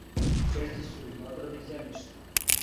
Чести су и одрони земљишта.